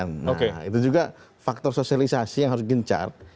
nah itu juga faktor sosialisasi yang harus di chart